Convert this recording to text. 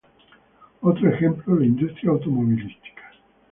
Otro ejemplo: la industria automovilística.